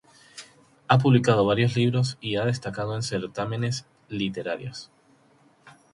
Ha publicado varios libros y ha destacado en certámenes literarios.